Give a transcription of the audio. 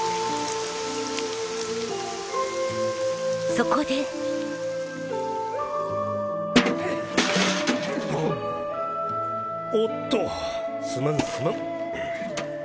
そこでおっとすまんすまん。